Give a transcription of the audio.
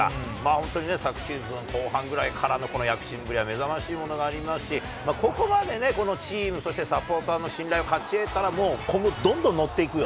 本当に昨シーズン後半ぐらいからのこの躍進ぶりは目覚ましいものがありますし、ここまでこのチーム、サポーターの信頼を勝ち得たらもう、今後、どんどん乗っていくよ